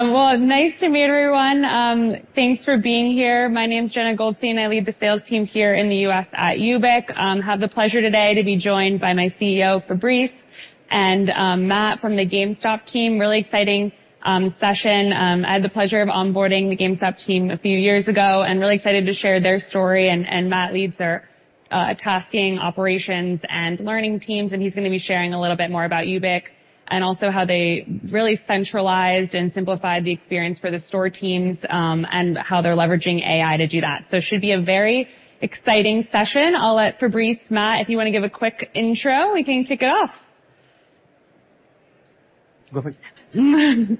Well, nice to meet everyone. Thanks for being here. My name is Jenna Goldstein. I lead the sales team here in the U.S. at YOOBIC. I have the pleasure today to be joined by my CEO, Fabrice, and Matthew from the GameStop team. Really exciting session. I had the pleasure of onboarding the GameStop team a few years ago and really excited to share their story. And Matthew leads their tasking, operations, and learning teams, and he's gonna be sharing a little bit more about YOOBIC and also how they really centralized and simplified the experience for the store teams, and how they're leveraging AI to do that. So it should be a very exciting session. I'll let Fabrice, Matthew, if you wanna give a quick intro, we can kick it off. Go for it.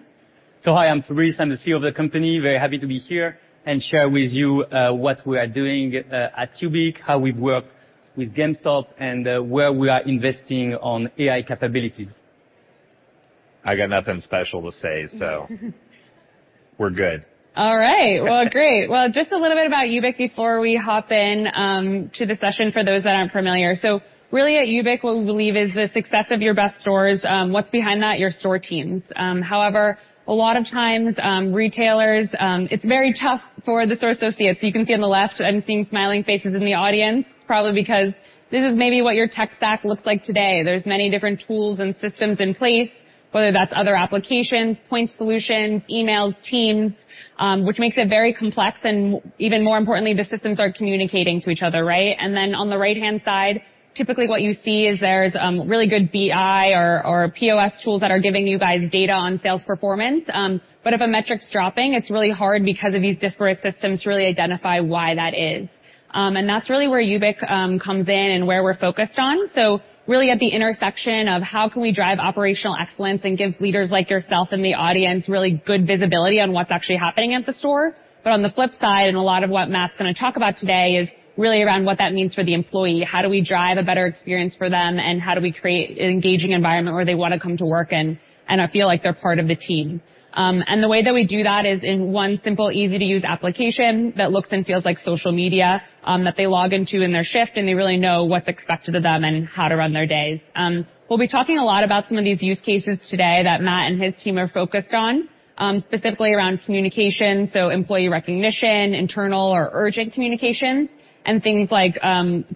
So, hi, I'm Fabrice. I'm the CEO of the company. Very happy to be here and share with you, what we are doing, at YOOBIC, how we've worked with GameStop, and, where we are investing on AI capabilities. I got nothing special to say, so we're good. All right. Well, great! Well, just a little bit about YOOBIC before we hop in to the session for those that aren't familiar. So really at YOOBIC, what we believe is the success of your best stores, what's behind that? Your store teams. However, a lot of times, retailers, it's very tough for the store associates. So you can see on the left, I'm seeing smiling faces in the audience, probably because this is maybe what your tech stack looks like today. There's many different tools and systems in place, whether that's other applications, point solutions, emails, Teams, which makes it very complex, and even more importantly, the systems aren't communicating to each other, right? And then, on the right-hand side, typically what you see is there's, really good BI or, or POS tools that are giving you guys data on sales performance. But if a metric's dropping, it's really hard because of these disparate systems to really identify why that is. And that's really where YOOBIC comes in and where we're focused on. So really at the intersection of how can we drive operational excellence and give leaders like yourself and the audience really good visibility on what's actually happening at the store. But on the flip side, and a lot of what Matthew's gonna talk about today, is really around what that means for the employee. How do we drive a better experience for them, and how do we create an engaging environment where they wanna come to work and feel like they're part of the team? And the way that we do that is in one simple, easy-to-use application that looks and feels like social media, that they log into in their shift, and they really know what's expected of them and how to run their days. We'll be talking a lot about some of these use cases today that Matthew and his team are focused on, specifically around communication, so employee recognition, internal or urgent communications, and things like,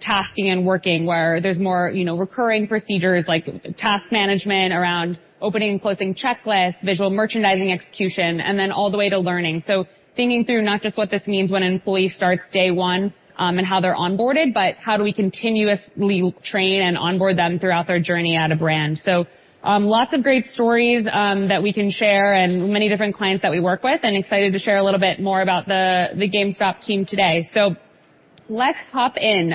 tasking and working, where there's more, you know, recurring procedures like task management around opening and closing checklists, visual merchandising execution, and then all the way to learning. So thinking through not just what this means when an employee starts day one, and how they're onboarded, but how do we continuously train and onboard them throughout their journey at a brand? So, lots of great stories that we can share and many different clients that we work with, and excited to share a little bit more about the, the GameStop team today. So let's hop in.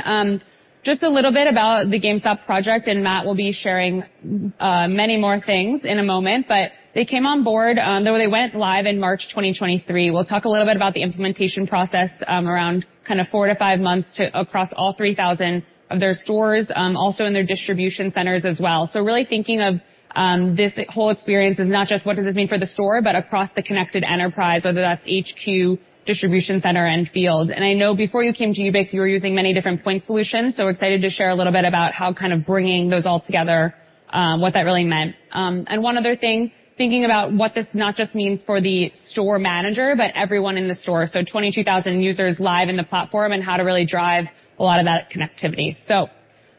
Just a little bit about the GameStop project, and Matthew will be sharing many more things in a moment, but they came on board, they went live in March 2023. We'll talk a little bit about the implementation process, around kind of 4-5 months to across all 3,000 of their stores, also in their distribution centers as well. So really thinking of this whole experience as not just what does this mean for the store, but across the connected enterprise, whether that's HQ, distribution center, and field. I know before you came to YOOBIC, you were using many different point solutions, so excited to share a little bit about how kind of bringing those all together, what that really meant. And one other thing, thinking about what this not just means for the store manager, but everyone in the store. So 22,000 users live in the platform and how to really drive a lot of that connectivity. So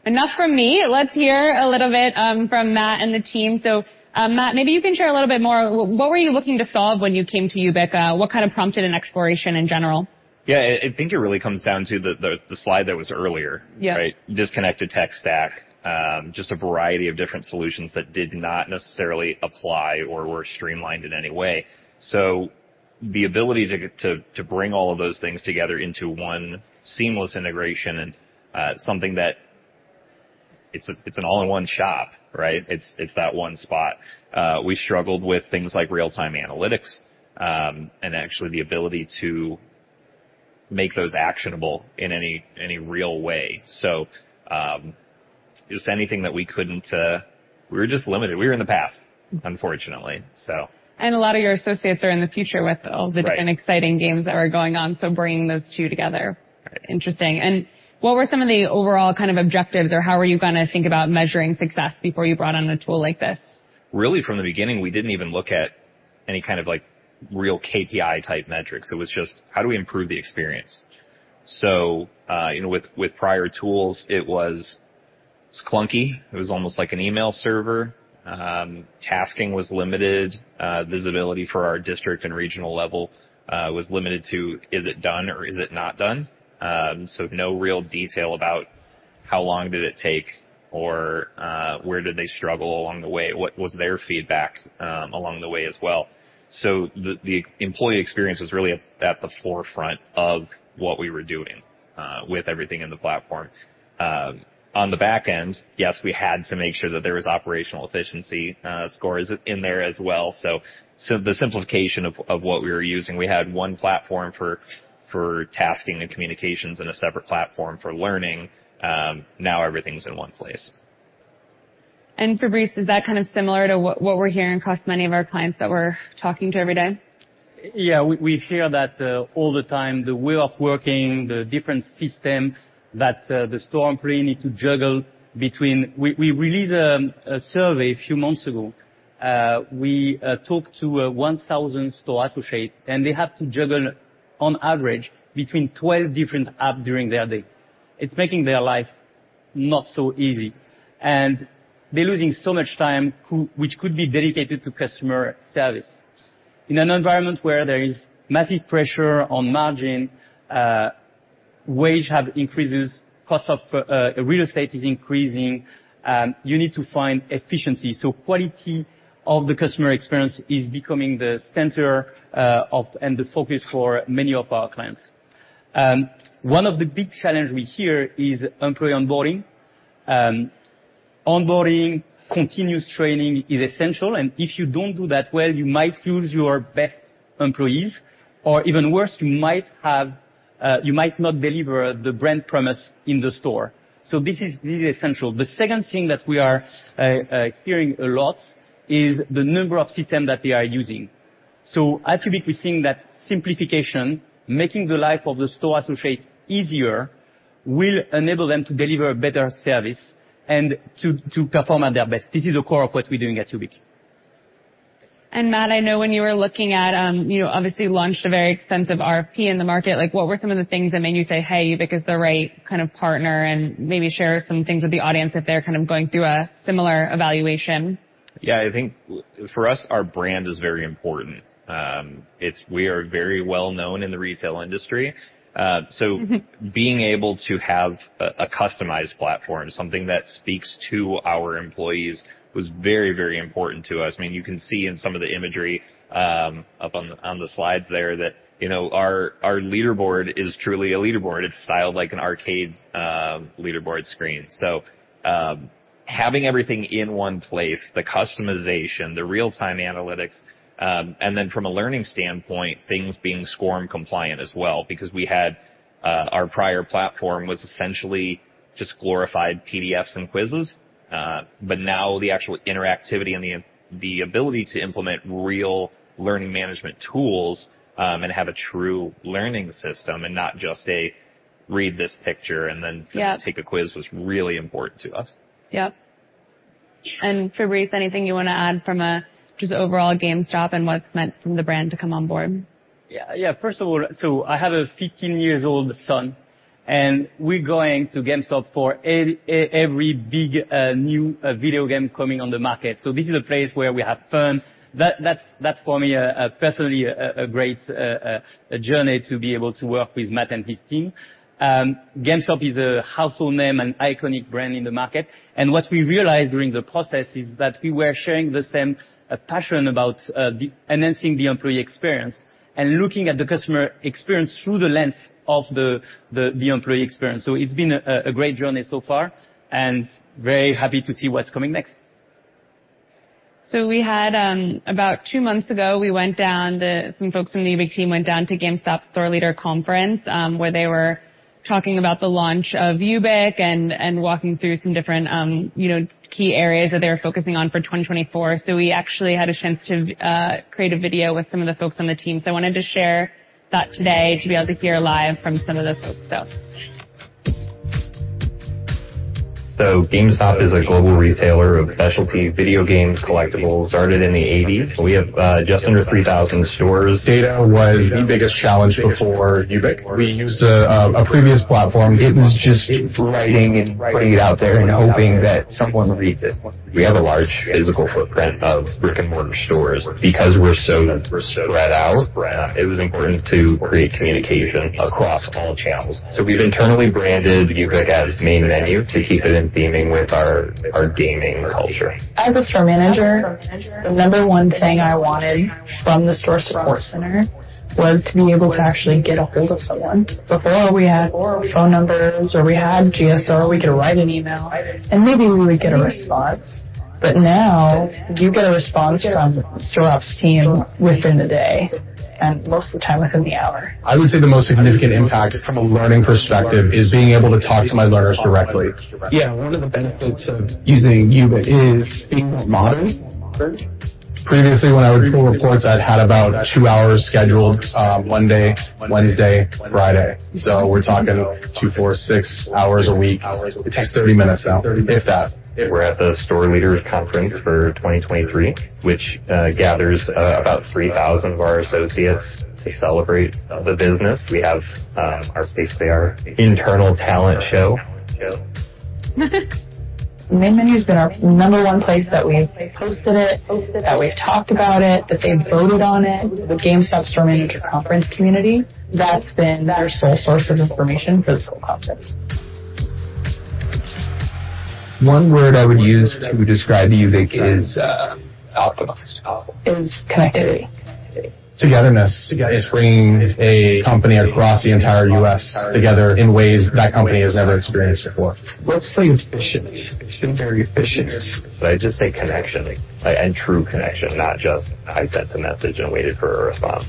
enough from me. Let's hear a little bit from Matthew and the team. So, Matthew, maybe you can share a little bit more. What were you looking to solve when you came to YOOBIC? What kind of prompted an exploration in general? Yeah, I think it really comes down to the slide that was earlier- Yeah. Right? Disconnected tech stack. Just a variety of different solutions that did not necessarily apply or were streamlined in any way. So the ability to get to bring all of those things together into one seamless integration and something that's an all-in-one shop, right? It's that one spot. We struggled with things like real-time analytics and actually the ability to make those actionable in any real way. So, just anything that we couldn't. We were just limited. We were in the past, unfortunately, so. A lot of your associates are in the future with- Right all the different exciting games that are going on, so bringing those two together. Right. Interesting. And what were some of the overall kind of objectives, or how were you gonna think about measuring success before you brought on a tool like this? Really, from the beginning, we didn't even look at any kind of like, real KPI-type metrics. It was just: How do we improve the experience? So, you know, with prior tools, it was clunky. It was almost like an email server. Tasking was limited. Visibility for our district and regional level was limited to is it done or is it not done? So no real detail about how long did it take or, where did they struggle along the way? What was their feedback, along the way as well? So the employee experience was really at the forefront of what we were doing, with everything in the platform. On the back end, yes, we had to make sure that there was operational efficiency scores in there as well. So, the simplification of what we were using, we had one platform for tasking and communications and a separate platform for learning. Now everything's in one place. Fabrice, is that kind of similar to what, what we're hearing across many of our clients that we're talking to every day?... Yeah, we hear that all the time, the way of working, the different systems that the store employees need to juggle between. We released a survey a few months ago. We talked to 1,000 store associates, and they have to juggle on average between 12 different apps during their day. It's making their lives not so easy, and they're losing so much time, which could be dedicated to customer service. In an environment where there is massive pressure on margins, wages have increased, costs of real estate are increasing, you need to find efficiency. So quality of the customer experience is becoming the center of, and the focus for many of our clients. One of the big challenges we hear is employee onboarding. Onboarding, continuous training is essential, and if you don't do that well, you might lose your best employees, or even worse, you might have, you might not deliver the brand promise in the store. So this is essential. The second thing that we are hearing a lot is the number of system that they are using. So at YOOBIC, we're seeing that simplification, making the life of the store associate easier, will enable them to deliver better service and to perform at their best. This is the core of what we're doing at YOOBIC. Matthew, I know when you were looking at, you know, obviously launched a very extensive RFP in the market, like, what were some of the things that made you say, "Hey, YOOBIC is the right kind of partner," and maybe share some things with the audience if they're kind of going through a similar evaluation? Yeah, I think for us, our brand is very important. It's... We are very well known in the retail industry. So- Mm-hmm. -being able to have a customized platform, something that speaks to our employees, was very, very important to us. I mean, you can see in some of the imagery up on the slides there that, you know, our leaderboard is truly a leaderboard. It's styled like an arcade leaderboard screen. So, having everything in one place, the customization, the real-time analytics, and then from a learning standpoint, things being SCORM compliant as well, because we had our prior platform was essentially just glorified PDFs and quizzes. But now the actual interactivity and the ability to implement real learning management tools, and have a true learning system and not just a, "Read this picture," and then- Yeah. take a quiz," was really important to us. Yep. Fabrice, anything you want to add from a just overall GameStop and what's meant from the brand to come on board? Yeah. Yeah. First of all, so I have a 15-year-old son, and we're going to GameStop for every big, new, video game coming on the market. So this is a place where we have fun. That's for me, personally, a great journey to be able to work with Matthew and his team. GameStop is a household name and iconic brand in the market, and what we realized during the process is that we were sharing the same passion about enhancing the employee experience and looking at the customer experience through the lens of the employee experience. So it's been a great journey so far and very happy to see what's coming next. So we had about two months ago, we went down. Some folks from the YOOBIC team went down to GameStop's Store Leader Conference, where they were talking about the launch of YOOBIC and walking through some different, you know, key areas that they were focusing on for 2024. So we actually had a chance to create a video with some of the folks on the team. So I wanted to share that today to be able to hear live from some of those folks. So. GameStop is a global retailer of specialty video games, collectibles. Started in the 1980s. We have just under 3,000 stores. Data was the biggest challenge before YOOBIC. We used a previous platform. It was just writing and putting it out there and hoping that someone reads it. We have a large physical footprint of brick-and-mortar stores. Because we're so spread out, it was important to create communication across all channels. So we've internally branded YOOBIC as Main Menu to keep it in theming with our gaming culture. As a store manager, the number one thing I wanted from the Store Support Center was to be able to actually get a hold of someone. Before, we had phone numbers, or we had GSO, we could write an email, and maybe we would get a response. But now, you get a response from Store Ops team within a day, and most of the time, within the hour. I would say the most significant impact from a learning perspective is being able to talk to my learners directly. Yeah, one of the benefits of using YOOBIC is being more modern. Previously, when I would pull reports, I'd had about two hours scheduled, Monday, Wednesday, Friday. So we're talking two, four, six hours a week. It takes 30 minutes now, if that. We're at the Store Leaders Conference for 2023, which gathers about 3,000 of our associates to celebrate the business. We have basically our internal talent show. Main Menu has been our number one place that we've posted it, that we've talked about it, that they voted on it. The GameStop Store Manager Conference community, that's been their sole source of information for this whole process. One word I would use to describe YOOBIC is optimized. Is connectivity. Togetherness. It's bringing a company across the entire U.S. together in ways that company has never experienced before. Let's say efficiency. It's been very efficient. Can I just say connection? And true connection, not just I sent a message and waited for a response...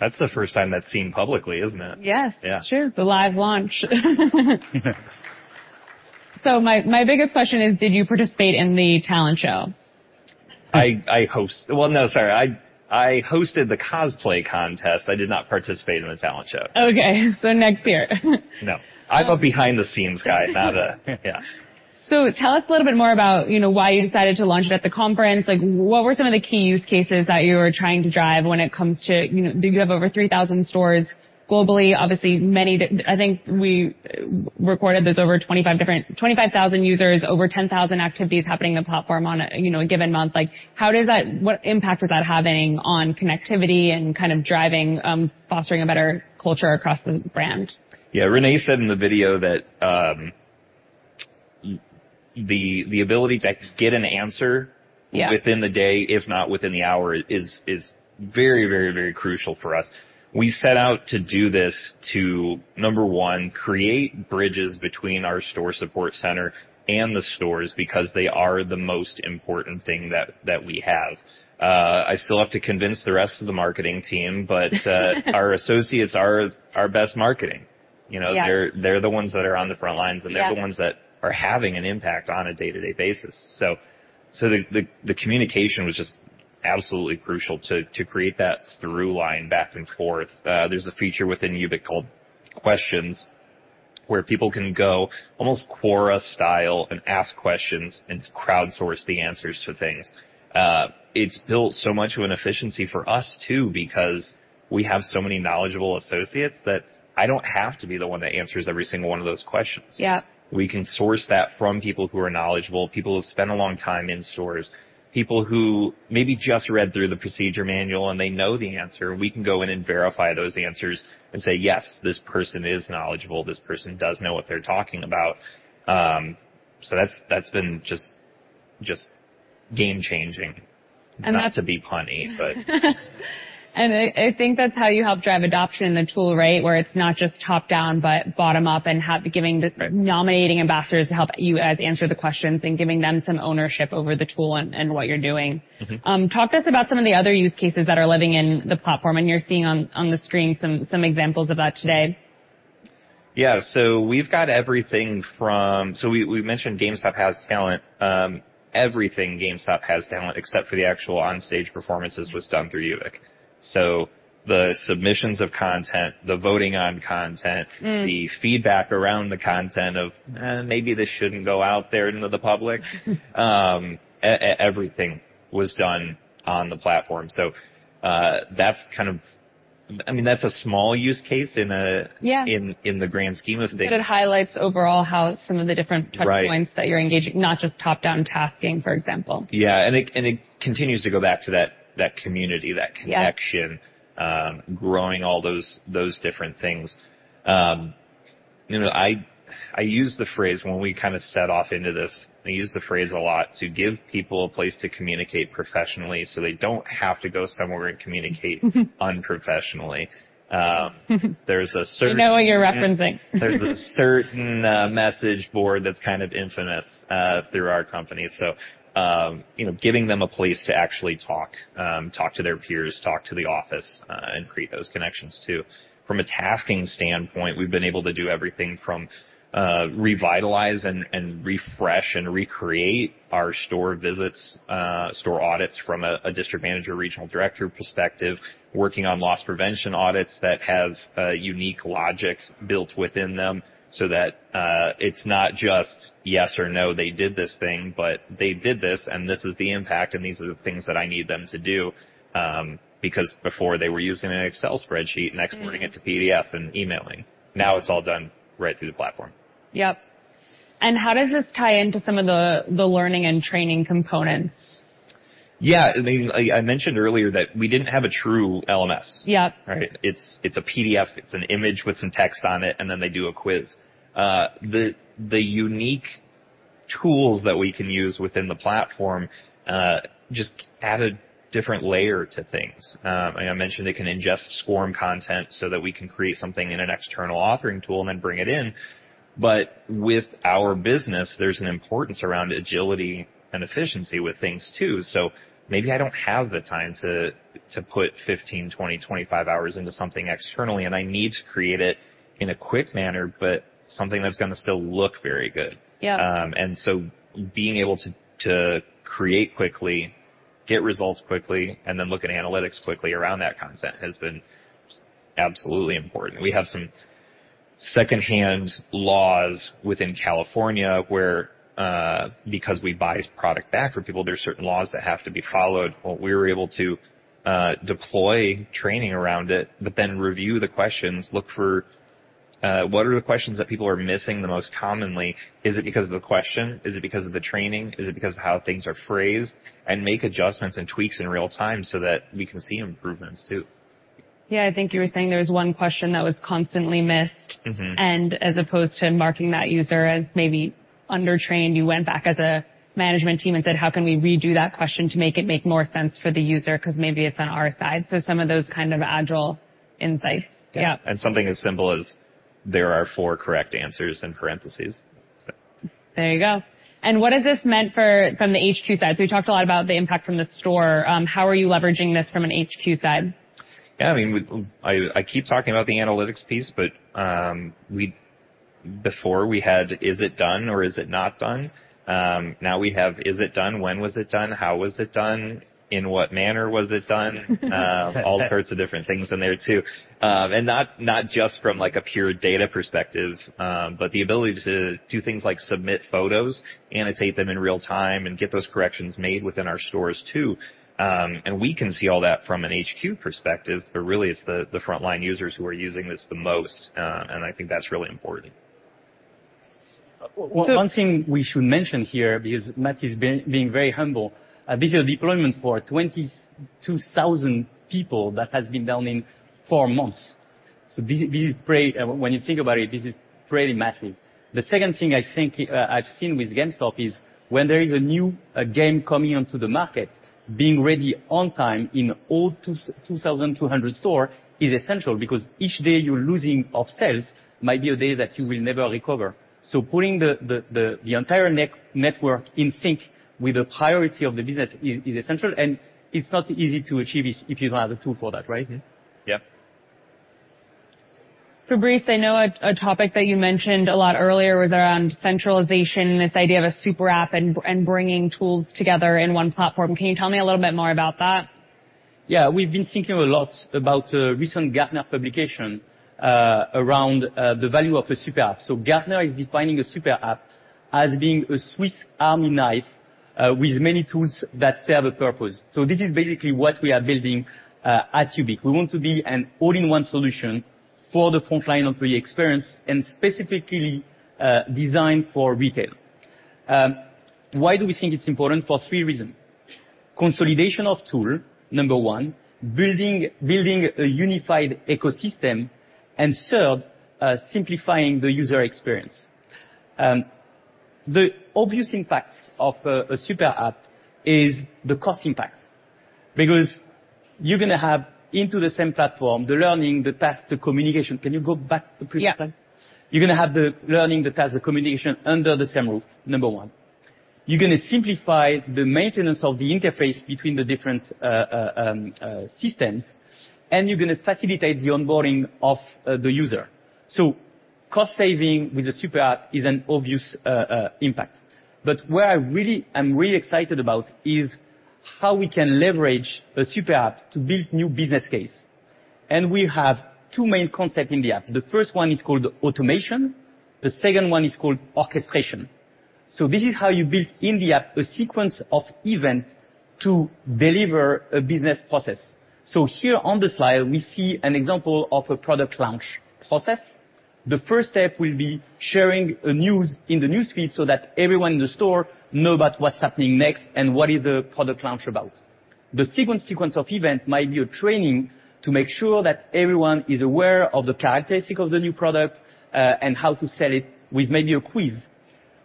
That's the first time that's seen publicly, isn't it? Yes. Yeah. Sure. The live launch. So my, my biggest question is: did you participate in the talent show? I host. Well, no, sorry. I hosted the cosplay contest. I did not participate in the talent show. Okay, so next year. No. I'm a behind-the-scenes guy, not a... Yeah. So tell us a little bit more about, you know, why you decided to launch it at the conference. Like, what were some of the key use cases that you were trying to drive when it comes to, you know... Do you have over 3,000 stores globally? Obviously, I think we reported there's over 25 different... 25,000 users, over 10,000 activities happening in the platform on a, you know, a given month. Like, how does that—what impact is that having on connectivity and kind of driving, fostering a better culture across the brand? Yeah, Renee said in the video that the ability to get an answer- Yeah within the day, if not within the hour, is very, very, very crucial for us. We set out to do this to, number one, create bridges between our Store Support Center and the stores because they are the most important thing that we have. I still have to convince the rest of the marketing team, but our associates are our best marketing. You know? Yeah. They're the ones that are on the front lines- Yeah they're the ones that are having an impact on a day-to-day basis. So the communication was just absolutely crucial to create that through line back and forth. There's a feature within YOOBIC called Questions, where people can go, almost Quora style, and ask questions and crowdsource the answers to things. It's built so much of an efficiency for us, too, because we have so many knowledgeable associates that I don't have to be the one that answers every single one of those questions. Yeah. We can source that from people who are knowledgeable, people who've spent a long time in stores, people who maybe just read through the procedure manual, and they know the answer. We can go in and verify those answers and say, "Yes, this person is knowledgeable. This person does know what they're talking about." So that's been just game-changing. And- Not to be punny, but... And I think that's how you help drive adoption in the tool, right? Where it's not just top-down but bottom-up, and nominating ambassadors to help you guys answer the questions and giving them some ownership over the tool and what you're doing. Mm-hmm. Talk to us about some of the other use cases that are living in the platform, and you're seeing on the screen some examples of that today. Yeah. So we've got everything from... So we, we've mentioned GameStop Has Talent. Everything GameStop Has Talent, except for the actual on-stage performances, was done through YOOBIC. So the submissions of content, the voting on content- Mm... the feedback around the content of, "Eh, maybe this shouldn't go out there into the public." Everything was done on the platform. So, that's kind of... I mean, that's a small use case in... Yeah... in the grand scheme of things. But it highlights overall how some of the different- Right Touchpoints that you're engaging, not just top-down tasking, for example. Yeah, and it, and it continues to go back to that, that community, that- Yeah... connection, growing all those different things. You know, I use the phrase when we kind of set off into this. I use the phrase a lot: to give people a place to communicate professionally, so they don't have to go somewhere and communicate unprofessionally. There's a certain- We know what you're referencing. There's a certain message board that's kind of infamous through our company. So, you know, giving them a place to actually talk to their peers, talk to the office, and create those connections, too. From a tasking standpoint, we've been able to do everything from revitalize and refresh and recreate our store visits, store audits from a district manager, regional director perspective, working on loss prevention audits that have a unique logic built within them, so that it's not just yes or no, they did this thing, but they did this, and this is the impact, and these are the things that I need them to do. Because before they were using an Excel spreadsheet- Mm-hmm... and exporting it to PDF and emailing. Now, it's all done right through the platform. Yep. And how does this tie into some of the learning and training components? Yeah. I mean, I mentioned earlier that we didn't have a true LMS. Yep. Right? It's a PDF, it's an image with some text on it, and then they do a quiz. The unique tools that we can use within the platform just add a different layer to things. And I mentioned they can ingest SCORM content so that we can create something in an external authoring tool and then bring it in. But with our business, there's an importance around agility and efficiency with things, too. So maybe I don't have the time to put 15, 20, 25 hours into something externally, and I need to create it in a quick manner, but something that's gonna still look very good. Yeah. And so being able to create quickly, get results quickly, and then look at analytics quickly around that content has been absolutely important. We have some second-hand laws within California, where because we buy product back from people, there are certain laws that have to be followed. Well, we were able to deploy training around it, but then review the questions, look for what are the questions that people are missing the most commonly? Is it because of the question? Is it because of the training? Is it because of how things are phrased? And make adjustments and tweaks in real time so that we can see improvements, too. Yeah, I think you were saying there was one question that was constantly missed. Mm-hmm. As opposed to marking that user as maybe under-trained, you went back as a management team and said: How can we redo that question to make it make more sense for the user? 'Cause maybe it's on our side. So some of those kind of agile insights. Yeah. Something as simple as there are four correct answers in parentheses, so. There you go. What has this meant for, from the HQ side? We talked a lot about the impact from the store. How are you leveraging this from an HQ side? Yeah, I mean, I keep talking about the analytics piece, but, we before we had, "Is it done or is it not done?" Now we have, "Is it done? When was it done? How was it done? In what manner was it done?" All sorts of different things in there, too. And not, not just from, like, a pure data perspective, but the ability to do things like submit photos, annotate them in real time, and get those corrections made within our stores, too. And we can see all that from an HQ perspective, but really it's the, the frontline users who are using this the most. And I think that's really important. So- One thing we should mention here, because Matthew is being very humble, this is a deployment for 22,000 people that has been done in four months. So this, this is pretty... When you think about it, this is pretty massive. The second thing I think, I've seen with GameStop is when there is a new game coming onto the market, being ready on time in all 2,200 stores is essential because each day you're losing of sales might be a day that you will never recover. So pulling the entire network in sync with the priority of the business is essential, and it's not easy to achieve if you don't have a tool for that, right? Yeah. Fabrice, I know a topic that you mentioned a lot earlier was around centralization and this idea of a super app and bringing tools together in one platform. Can you tell me a little bit more about that? Yeah. We've been thinking a lot about a recent Gartner publication, around, the value of a super app. So Gartner is defining a super app as being a Swiss Army knife, with many tools that serve a purpose. So this is basically what we are building, at YOOBIC. We want to be an all-in-one solution for the frontline employee experience and specifically, designed for retail. Why do we think it's important? For three reasons: consolidation of tool, number one, building a unified ecosystem, and third, simplifying the user experience. The obvious impacts of a super app is the cost impacts. Because you're gonna have into the same platform, the learning, the tasks, the communication. Can you go back to the previous slide? Yeah. You're gonna have the learning, the tasks, the communication under the same roof, number one. You're gonna simplify the maintenance of the interface between the different systems, and you're gonna facilitate the onboarding of the user. So cost saving with a super app is an obvious impact. But what I really, I'm really excited about is how we can leverage a super app to build new business case. And we have two main concept in the app. The first one is called automation, the second one is called orchestration. So this is how you build in the app a sequence of event to deliver a business process. So here on the slide, we see an example of a product launch process. The first step will be sharing a news in the newsfeed so that everyone in the store know about what's happening next and what is the product launch about. The second sequence of event might be a training to make sure that everyone is aware of the characteristic of the new product, and how to sell it with maybe a quiz.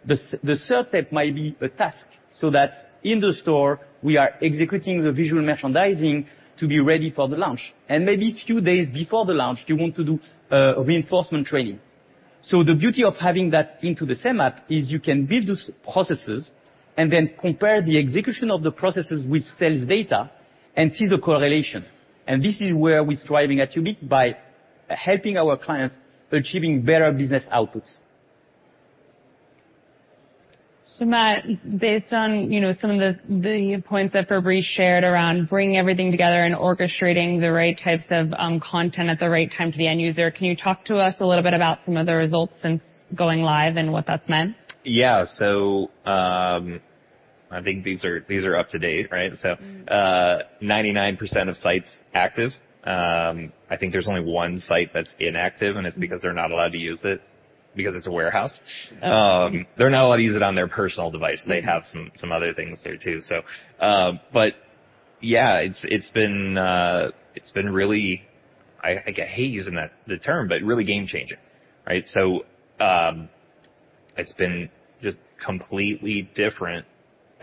The third step might be a task, so that in the store, we are executing the visual merchandising to be ready for the launch. And maybe a few days before the launch, you want to do, reinforcement training. So the beauty of having that into the same app is you can build those processes and then compare the execution of the processes with sales data and see the correlation. And this is where we're striving at YOOBIC, by helping our clients achieving better business outputs. So Matthew, based on, you know, some of the points that Fabrice shared around bringing everything together and orchestrating the right types of content at the right time to the end user, can you talk to us a little bit about some of the results since going live and what that's meant? Yeah. So, I think these are, these are up to date, right? Mm-hmm. So, 99% of sites active. I think there's only one site that's inactive, and it's because they're not allowed to use it because it's a warehouse. They're not allowed to use it on their personal device. They have some other things there, too. So, but yeah, it's been really... I hate using that term, but really game-changing, right? So, it's been just completely different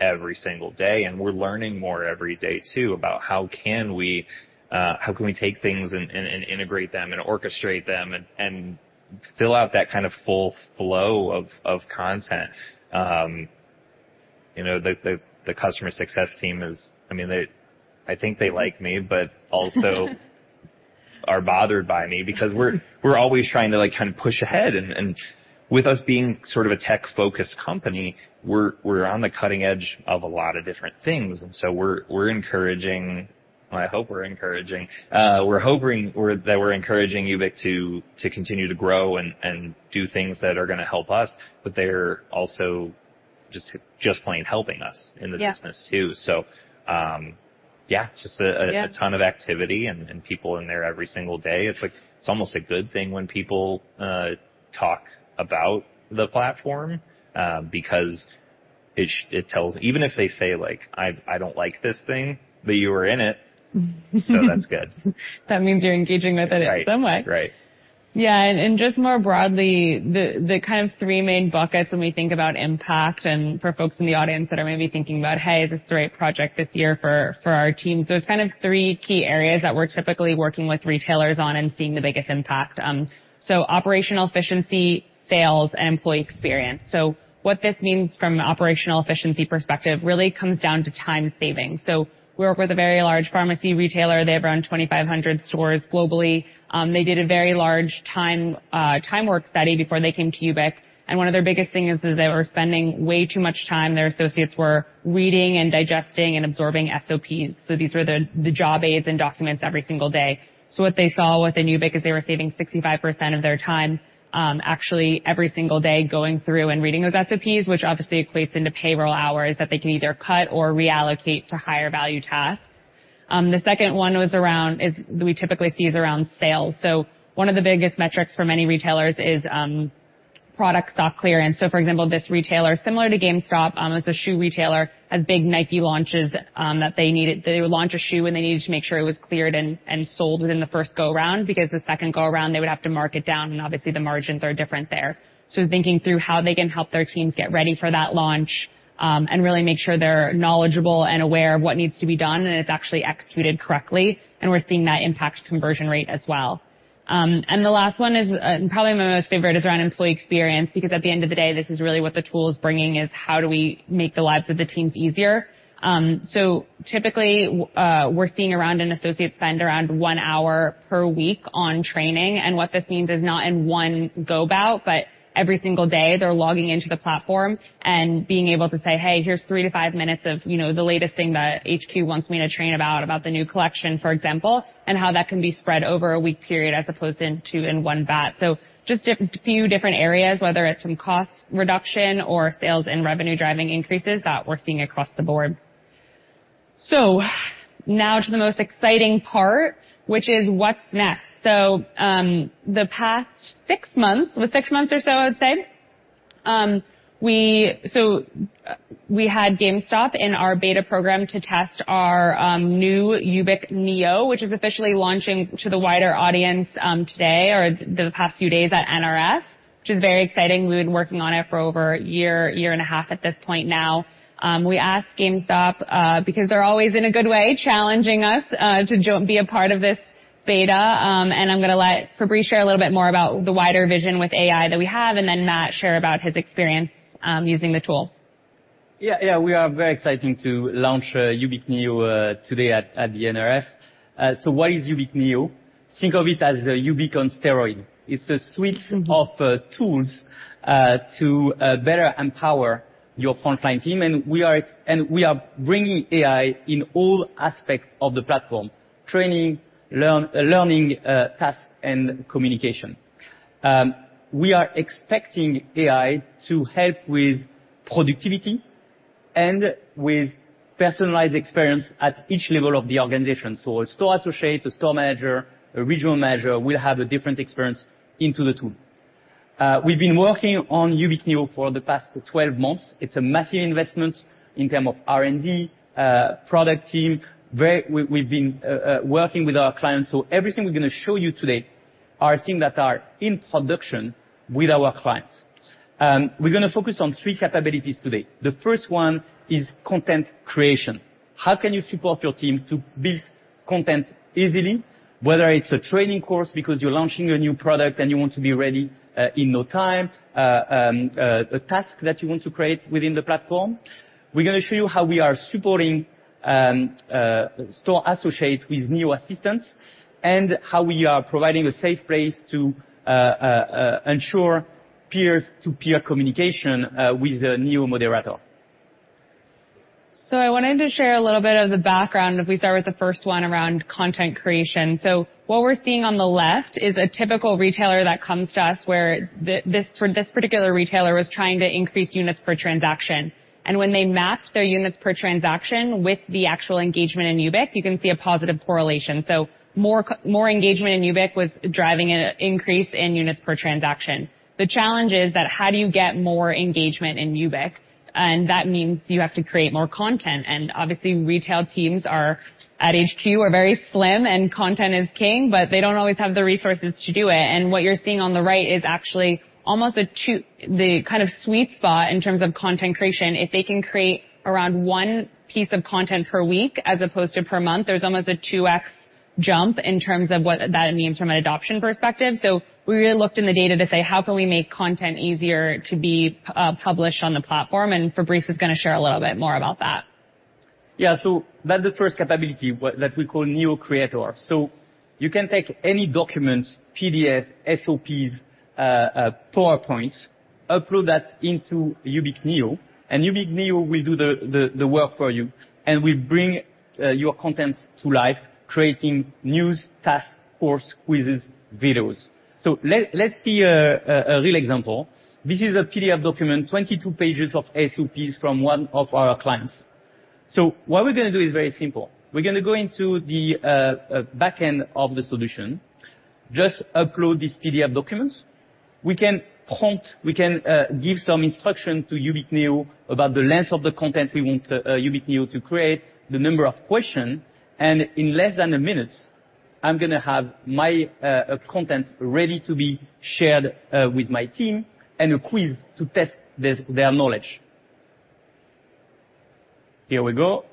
every single day, and we're learning more every day, too, about how can we take things and integrate them and orchestrate them and fill out that kind of full flow of content. You know, the Customer Success team is... I mean, they, I think they like me, but also are bothered by me because we're, we're always trying to, like, kind of push ahead. And, and with us being sort of a tech-focused company, we're, we're on the cutting edge of a lot of different things, and so we're, we're encouraging, I hope we're encouraging, we're hoping we're, that we're encouraging YOOBIC to, to continue to grow and, and do things that are gonna help us, but they're also just, just plain helping us- Yeah in the business, too. So, yeah, just a, a- Yeah... a ton of activity and people in there every single day. It's like, it's almost a good thing when people talk about the platform, because it tells... Even if they say, like: "I don't like this thing," but you were in it. So that's good. That means you're engaging with it in some way. Right. Right.... Yeah, and just more broadly, the kind of three main buckets when we think about impact and for folks in the audience that are maybe thinking about, "Hey, is this the right project this year for our Teams?" Those kind of three key areas that we're typically working with retailers on and seeing the biggest impact. So operational efficiency, sales, and employee experience. So what this means from an operational efficiency perspective really comes down to time savings. So we work with a very large pharmacy retailer. They have around 2,500 stores globally. They did a very large time work study before they came to YOOBIC, and one of their biggest things is that they were spending way too much time. Their associates were reading and digesting and absorbing SOPs. So these were the job aids and documents every single day. What they saw within YOOBIC is they were saving 65% of their time, actually, every single day, going through and reading those SOPs, which obviously equates into payroll hours that they can either cut or reallocate to higher value tasks. The second one was around sales. We typically see around sales. One of the biggest metrics for many retailers is product stock clearance. For example, this retailer, similar to GameStop, is a shoe retailer, has big Nike launches that they needed. They would launch a shoe, and they needed to make sure it was cleared and sold within the first go-around, because the second go-around, they would have to mark it down, and obviously, the margins are different there. So thinking through how they can help their Teams get ready for that launch, and really make sure they're knowledgeable and aware of what needs to be done, and it's actually executed correctly, and we're seeing that impact conversion rate as well. And the last one is probably my most favorite, is around employee experience, because at the end of the day, this is really what the tool is bringing, is: How do we make the lives of the teams easier? So typically, we're seeing around an associate spend around one hour per week on training. And what this means is not in one go-about, but every single day, they're logging into the platform and being able to say, "Hey, here's three to five minutes of, you know, the latest thing that HQ wants me to train about," about the new collection, for example, and how that can be spread over a week period as opposed in two, in one batch. So just a few different areas, whether it's from cost reduction or sales and revenue-driving increases that we're seeing across the board. So now to the most exciting part, which is what's next. So, the past six months, the six months or so, I would say, we... So, we had GameStop in our beta program to test our new YOOBIC NEO, which is officially launching to the wider audience today or the past few days at NRF, which is very exciting. We've been working on it for over a year, year and a half at this point now. We asked GameStop, because they're always, in a good way, challenging us, to be a part of this beta. And I'm gonna let Fabrice share a little bit more about the wider vision with AI that we have, and then Matthew share about his experience using the tool. Yeah, yeah, we are very exciting to launch YOOBIC NEO today at the NRF. So what is YOOBIC NEO? Think of it as YOOBIC on steroid. It's a suite of tools to better empower your frontline team, and we are bringing AI in all aspects of the platform: training, learning, task, and communication. We are expecting AI to help with productivity and with personalized experience at each level of the organization. So a store associate, a store manager, a regional manager, will have a different experience into the tool. We've been working on YOOBIC NEO for the past 12 months. It's a massive investment in term of R&D, product team, very... We've been working with our clients, so everything we're gonna show you today are things that are in production with our clients. We're gonna focus on three capabilities today. The first one is content creation. How can you support your team to build content easily, whether it's a training course because you're launching a new product and you want to be ready in no time, a task that you want to create within the platform? We're gonna show you how we are supporting store associates with NEO Assistants and how we are providing a safe place to ensure peer-to-peer communication with a NEO Moderator. So I wanted to share a little bit of the background, if we start with the first one around content creation. So what we're seeing on the left is a typical retailer that comes to us, where this, this particular retailer was trying to increase units per transaction, and when they mapped their units per transaction with the actual engagement in YOOBIC, you can see a positive correlation. So more engagement in YOOBIC was driving an increase in units per transaction. The challenge is that, how do you get more engagement in YOOBIC? And that means you have to create more content, and obviously, retail Teams at HQ are very slim, and content is king, but they don't always have the resources to do it. And what you're seeing on the right is actually almost a two, the kind of sweet spot in terms of content creation. If they can create around one piece of content per week as opposed to per month, there's almost a 2x jump in terms of what that means from an adoption perspective. So we really looked in the data to say: How can we make content easier to be published on the platform? And Fabrice is gonna share a little bit more about that. Yeah. So that's the first capability, that we call NEO Creator. So you can take any documents, PDF, SOPs, PowerPoints, upload that into YOOBIC NEO, and YOOBIC NEO will do the work for you, and will bring your content to life, creating news, tasks, course, quizzes, videos. So let's see a real example. This is a PDF document, 22 pages of SOPs from one of our clients. So what we're gonna do is very simple. We're gonna go into the backend of the solution, just upload this PDF documents.... We can prompt, we can, give some instruction to YOOBIC NEO about the length of the content we want, YOOBIC NEO to create, the number of questions, and in less than a minute, I'm gonna have my, content ready to be shared, with my team, and a quiz to test this- their knowledge. Here we go.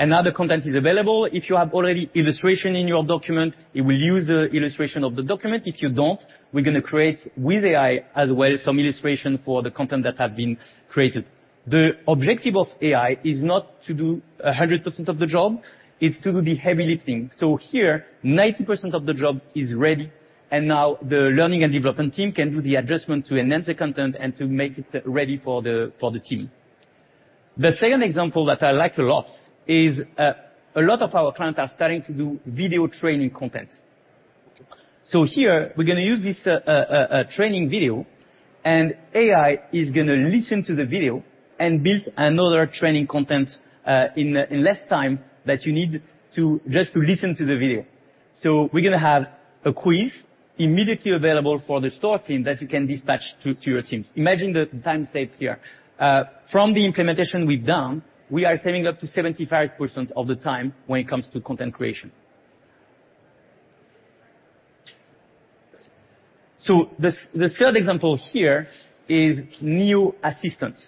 And now the content is available. If you have already illustration in your document, it will use the illustration of the document. If you don't, we're gonna create with AI as well, some illustration for the content that have been created. The objective of AI is not to do 100% of the job; it's to do the heavy lifting. So here, 90% of the job is ready, and now the learning and development team can do the adjustment to enhance the content and to make it ready for the team. The second example that I like a lot is, a lot of our clients are starting to do video training content. So here, we're gonna use this, training video, and AI is gonna listen to the video and build another training content, in less time that you need to... just to listen to the video. So we're gonna have a quiz immediately available for the store team that you can dispatch to your teams. Imagine the time saved here. From the implementation we've done, we are saving up to 75% of the time when it comes to content creation. So the third example here is NEO Assistant.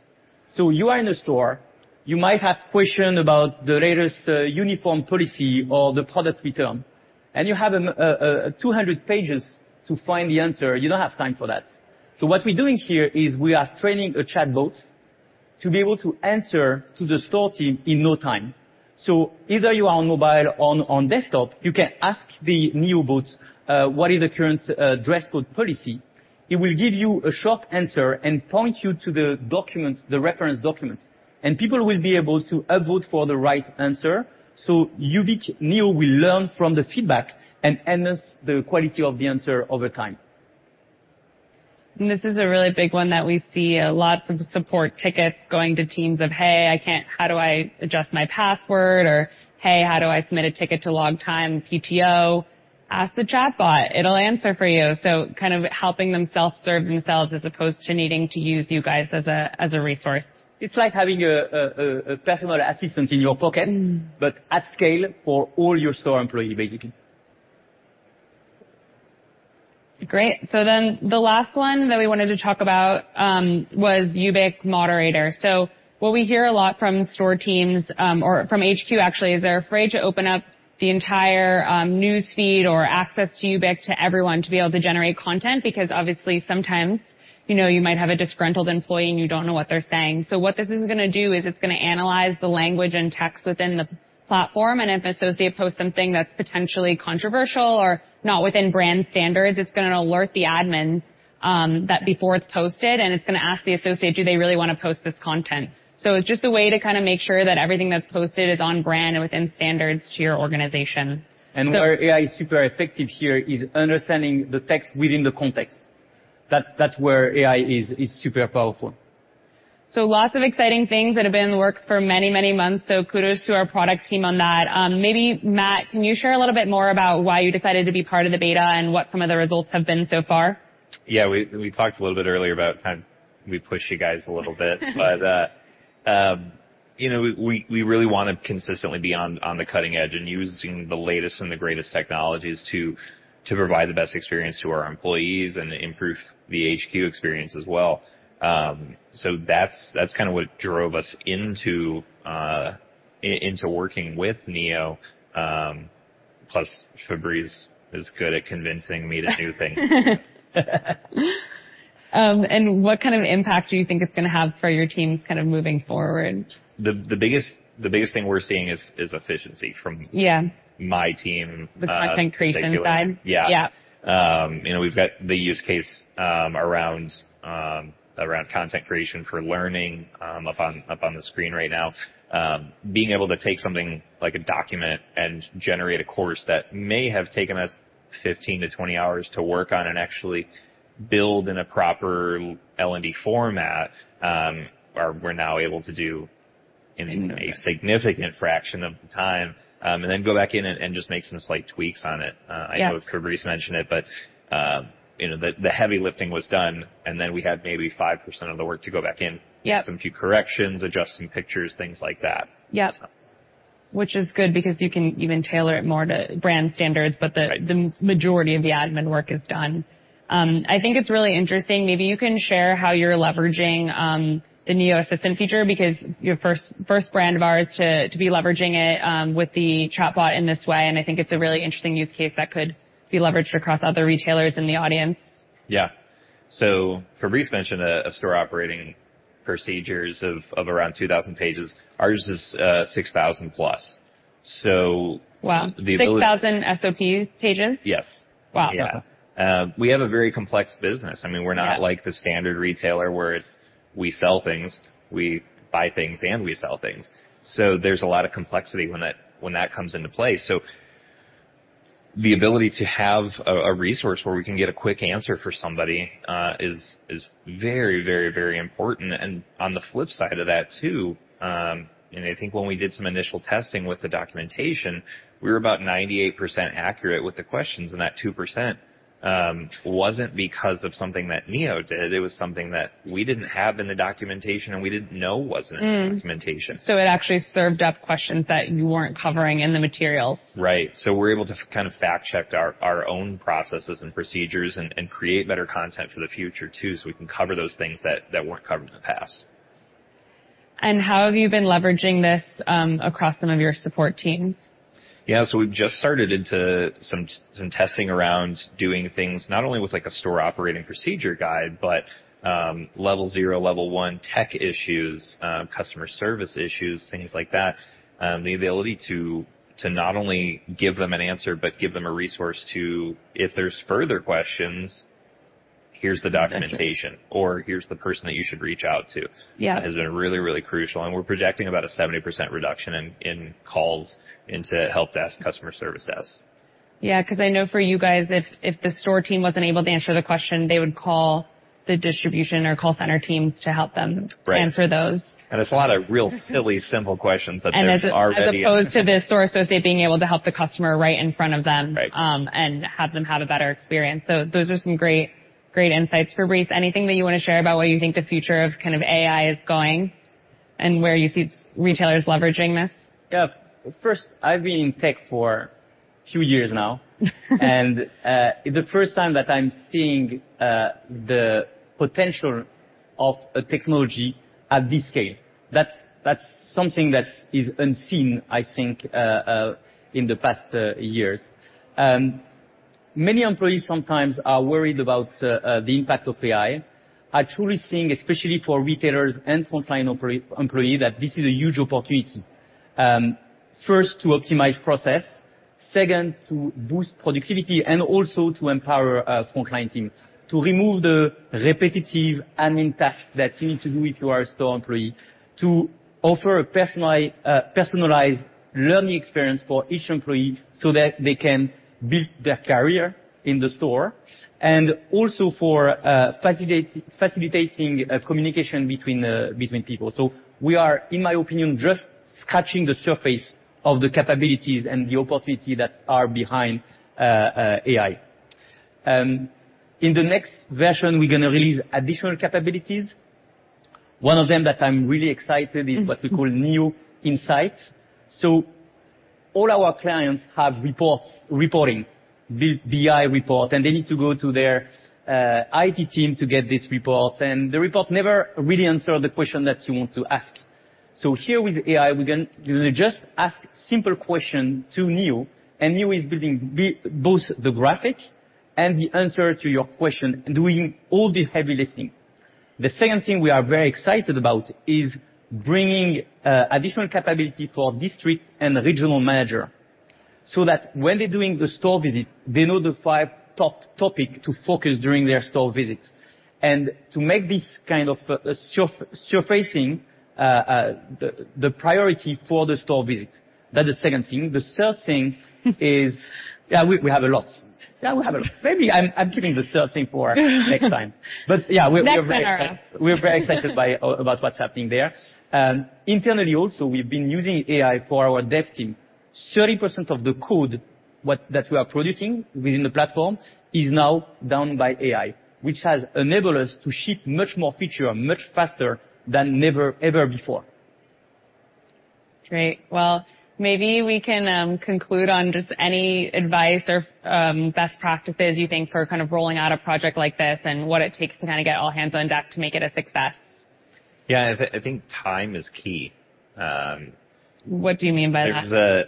So you are in a store, you might have question about the latest uniform policy or the product return, and you have 200 pages to find the answer. You don't have time for that. So what we're doing here is we are training a chatbot to be able to answer to the store team in no time. So either you are on mobile, on desktop, you can ask the NEO bot, "What is the current dress code policy?" It will give you a short answer and point you to the document, the reference document, and people will be able to upvote for the right answer. So YOOBIC NEO will learn from the feedback and enhance the quality of the answer over time. This is a really big one that we see lots of support tickets going to teams of, "Hey, I can't... How do I adjust my password?" Or, "Hey, how do I submit a ticket to log time PTO?" Ask the chatbot, it'll answer for you. So kind of helping them self-serve themselves as opposed to needing to use you guys as a, as a resource. It's like having a personal assistant in your pocket- Mm. but at scale for all your store employees, basically. Great. So then the last one that we wanted to talk about was YOOBIC Moderator. So what we hear a lot from store teams or from HQ, actually, is they're afraid to open up the entire newsfeed or access to YOOBIC to everyone to be able to generate content, because obviously, sometimes, you know, you might have a disgruntled employee, and you don't know what they're saying. So what this is gonna do is it's gonna analyze the language and text within the platform, and if an associate posts something that's potentially controversial or not within brand standards, it's gonna alert the admins that, before it's posted, and it's gonna ask the associate, do they really want to post this content? So it's just a way to kind of make sure that everything that's posted is on brand and within standards to your organization. Where AI is super effective here is understanding the text within the context. That's where AI is super powerful. Lots of exciting things that have been in the works for many, many months. Kudos to our product team on that. Maybe, Matthew, can you share a little bit more about why you decided to be part of the beta and what some of the results have been so far? Yeah, we talked a little bit earlier about how we push you guys a little bit. But, you know, we really wanna consistently be on the cutting edge and using the latest and the greatest technologies to provide the best experience to our employees and improve the HQ experience as well. So that's kind of what drove us into working with NEO. Plus, Fabrice is good at convincing me to do things. And what kind of impact do you think it's gonna have for your teams kind of moving forward? The biggest thing we're seeing is efficiency from- Yeah... my team. The content creation side. Yeah. Yeah. You know, we've got the use case around content creation for learning up on the screen right now. Being able to take something like a document and generate a course that may have taken us 15-20 hours to work on and actually build in a proper L&D format, or we're now able to do in a significant fraction of the time, and then go back in and just make some slight tweaks on it. Yeah. I know Fabrice mentioned it, but you know, the heavy lifting was done, and then we had maybe 5% of the work to go back in. Yeah. Make some few corrections, adjust some pictures, things like that. Yep. So. Which is good because you can even tailor it more to brand standards- Right... but the majority of the admin work is done. I think it's really interesting. Maybe you can share how you're leveraging the NEO Assistant feature, because you're the first brand of ours to be leveraging it with the chatbot in this way, and I think it's a really interesting use case that could be leveraged across other retailers in the audience. Yeah. So Fabrice mentioned a store operating procedures of around 2,000 pages. Ours is 6,000 plus. So- Wow! The other- 6,000 SOP pages? Yes. Wow. Yeah. We have a very complex business. Yeah. I mean, we're not like the standard retailer, where it's we sell things, we buy things, and we sell things. So there's a lot of complexity when that comes into play. The ability to have a resource where we can get a quick answer for somebody is very, very, very important. And on the flip side of that, too, and I think when we did some initial testing with the documentation, we were about 98% accurate with the questions, and that 2% wasn't because of something that NEO did. It was something that we didn't have in the documentation, and we didn't know wasn't in the documentation. Mm. So it actually served up questions that you weren't covering in the materials? Right. So we're able to kind of fact-check our own processes and procedures and create better content for the future, too, so we can cover those things that weren't covered in the past. And how have you been leveraging this, across some of your support teams? Yeah, so we've just started into some testing around doing things, not only with, like, a store operating procedure guide, but level zero, level one tech issues, customer service issues, things like that. The ability to not only give them an answer but give them a resource to, if there's further questions, here's the documentation- Gotcha. Here's the person that you should reach out to. Yeah. has been really, really crucial, and we're projecting about a 70% reduction in calls into helpdesk customer service desk. Yeah, 'cause I know for you guys, if the store team wasn't able to answer the question, they would call the distribution or call center teams to help them- Right -answer those. It's a lot of really silly, simple questions that there's already- As opposed to the store associate being able to help the customer right in front of them- Right and have them have a better experience. So those are some great, great insights. Fabrice, anything that you want to share about where you think the future of kind of AI is going and where you see retailers leveraging this? Yeah. First, I've been in tech for a few years now. The first time that I'm seeing the potential of a technology at this scale, that's something that is unseen, I think, in the past years. Many employees sometimes are worried about the impact of AI. I truly think, especially for retailers and frontline employees, that this is a huge opportunity. First, to optimize process, second, to boost productivity, and also to empower frontline team. To remove the repetitive admin task that you need to do if you are a store employee, to offer a personalized learning experience for each employee so that they can build their career in the store, and also for facilitating a communication between people. So we are, in my opinion, just scratching the surface of the capabilities and the opportunity that are behind AI. In the next version, we're gonna release additional capabilities. One of them that I'm really excited- Mm-hmm... is what we call NEO Insights. So all our clients have reports, reporting, BI report, and they need to go to their IT team to get this report. And the report never really answered the question that you want to ask. So here with AI, we can just ask simple question to NEO, and NEO is building both the graphic and the answer to your question and doing all the heavy lifting. The second thing we are very excited about is bringing additional capability for district and regional manager, so that when they're doing the store visit, they know the five top topic to focus during their store visits. And to make this kind of surfacing the priority for the store visit. That's the second thing. The third thing is... Yeah, we have a lot. Yeah, we have a lot. Maybe I'm keeping the third thing for next time. But yeah, we're Next seminar. We're very excited by, about what's happening there. Internally, also, we've been using AI for our dev team. 30% of the code that we are producing within the platform is now done by AI, which has enabled us to ship much more feature, much faster than never, ever before. Great. Well, maybe we can conclude on just any advice or best practices you think for kind of rolling out a project like this and what it takes to kinda get all hands on deck to make it a success. Yeah, I think, I think time is key. What do you mean by that?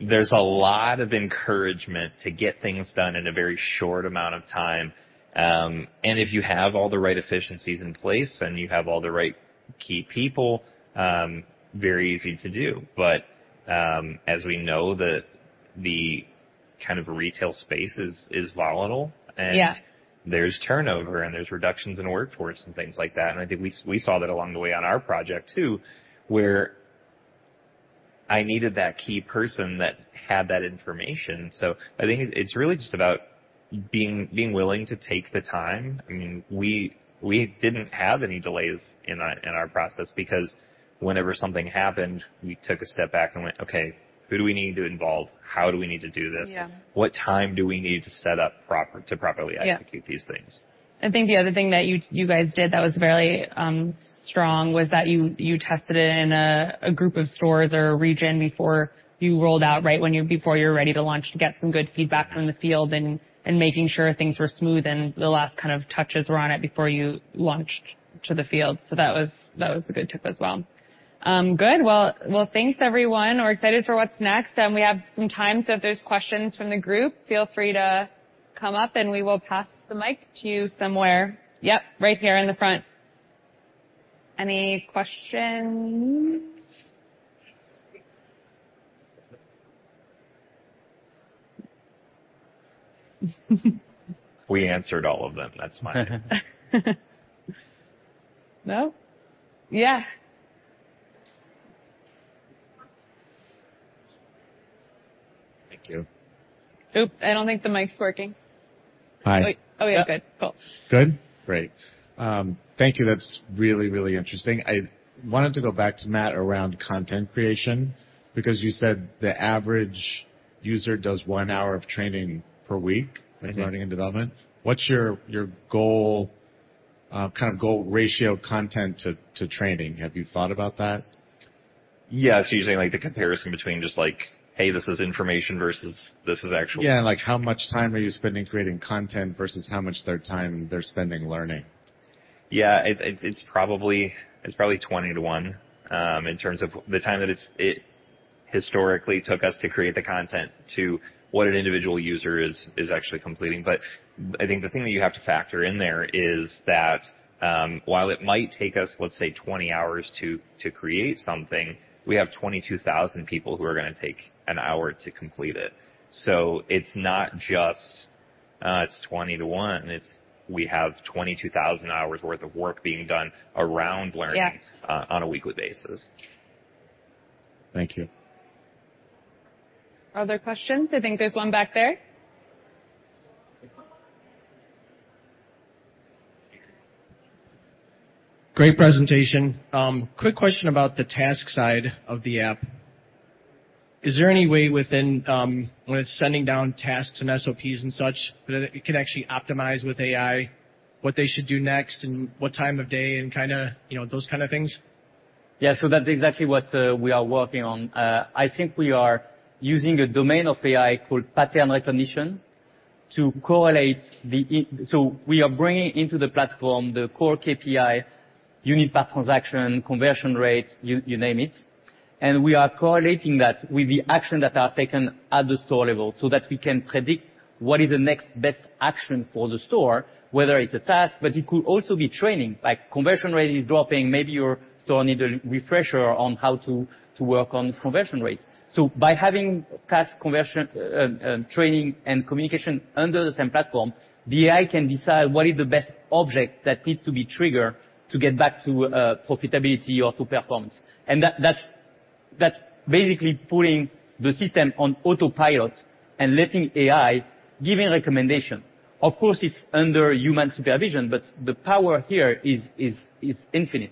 There's a lot of encouragement to get things done in a very short amount of time, and if you have all the right efficiencies in place, and you have all the right key people, very easy to do. But, as we know, the kind of retail space is volatile and- Yeah... there's turnover, and there's reductions in workforce and things like that, and I think we saw that along the way on our project, too, where I needed that key person that had that information. So I think it's really just about being willing to take the time. I mean, we didn't have any delays in our process because whenever something happened, we took a step back and went, "Okay, who do we need to involve? How do we need to do this? Yeah. What time do we need to set up properly to execute- Yeah -these things? I think the other thing that you guys did that was very strong was that you tested it in a group of stores or a region before you rolled out, right? Before you're ready to launch, to get some good feedback from the field and making sure things were smooth and the last kind of touches were on it before you launched to the field. So that was a good tip as well. Good. Well, thanks, everyone. We're excited for what's next, and we have some time, so if there's questions from the group, feel free to come up, and we will pass the mic to you somewhere. Yep, right here in the front. Any questions? We answered all of them. That's fine. No? Yeah. ... Thank you. Oops, I don't think the mic's working. Hi. Oh, yeah, good. Cool. Good? Great. Thank you. That's really, really interesting. I wanted to go back to Matthew around content creation, because you said the average user does one hour of training per week- Mm-hmm. with learning and development. What's your goal, kind of goal ratio, content to training? Have you thought about that? Yes. So you're saying, like, the comparison between just like, "Hey, this is information," versus this is actual- Yeah, like, how much time are you spending creating content versus how much of their time they're spending learning? Yeah, it it's probably 20-to-one in terms of the time that it historically took us to create the content to what an individual user is actually completing. But I think the thing that you have to factor in there is that while it might take us, let's say, 20 hours to create something, we have 22,000 people who are gonna take an hour to complete it. So it's not just, "it's 20-to-one," it's we have 22,000 hours worth of work being done around learning- Yeah... on a weekly basis. Thank you. Other questions? I think there's one back there. Great presentation. Quick question about the task side of the app. Is there any way within, when it's sending down tasks and SOPs and such, that it can actually optimize with AI what they should do next and what time of day and kinda, you know, those kind of things? Yeah. So that's exactly what we are working on. I think we are using a domain of AI called pattern recognition to correlate. So we are bringing into the platform the core KPI, unit per transaction, conversion rate, you name it, and we are correlating that with the action that are taken at the store level so that we can predict what is the next best action for the store, whether it's a task, but it could also be training. Like, conversion rate is dropping, maybe your store need a refresher on how to work on conversion rates. So by having task conversion, training and communication under the same platform, the AI can decide what is the best object that needs to be triggered to get back to profitability or to performance. That's basically putting the system on autopilot and letting AI give a recommendation. Of course, it's under human supervision, but the power here is infinite.